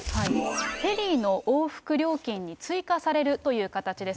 フェリーの往復料金に追加されるという形です。